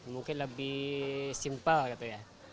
mungkin lebih simple gitu ya